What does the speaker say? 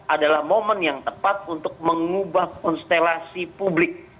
adalah momen yang tepat untuk mengubah konstelasi publik